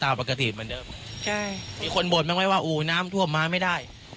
มีคนบอดไม่ไหมว่าอู่น้ำท่วมมาไม่ได้